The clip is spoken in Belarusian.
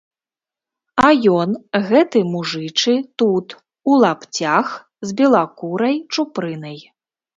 А ён, гэты мужычы, тут, у лапцях, з белакурай чупрынай.